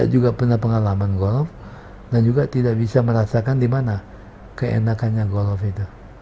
juga punya pengalaman golf dan juga tidak bisa merasakan di mana keenakannya golf itu